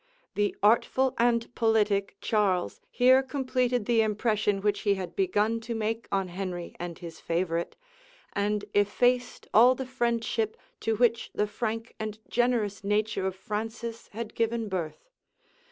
The artful and politic Charles here completed the impression which he had begun to make on Henry and his favorite, and effaced all the friendship to which the frank and generous nature of Francis had given birth.